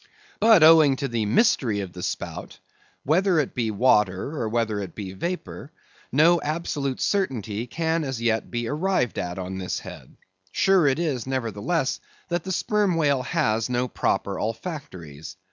But owing to the mystery of the spout—whether it be water or whether it be vapor—no absolute certainty can as yet be arrived at on this head. Sure it is, nevertheless, that the Sperm Whale has no proper olfactories.